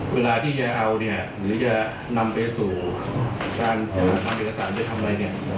เวลาที่จะเอาเนี่ยหรือจะนำไปสู่การทำเอกสารไปทำอะไรเนี่ย